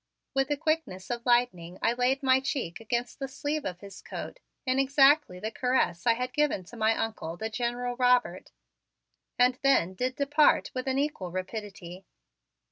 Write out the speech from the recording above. With the quickness of lightning I laid my cheek against the sleeve of his coat, in exactly the caress I had given to my Uncle, the General Robert, and then did depart with an equal rapidity.